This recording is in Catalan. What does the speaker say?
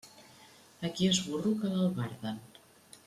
A qui és burro, que l'albarden.